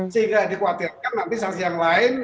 sehingga dikhawatirkan nanti saksi yang lain